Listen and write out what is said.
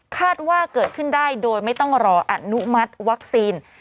คาดว่าเกิดขึ้นได้โดยไม่ต้องรออนุมัติวัคซีน